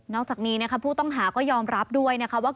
นอกจากนี้ผู้ต้องหาก็ยอมรับด้วยว่า